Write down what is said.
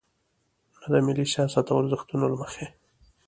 نه د ملي سیاست او ارزښتونو له مخې.